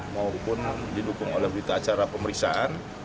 maupun didukung oleh pemeriksaan